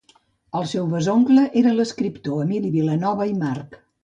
El seu besoncle era l'escriptor Emili Vilanova i March.